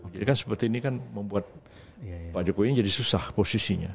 jadi kan seperti ini kan membuat pak jokowi ini jadi susah posisinya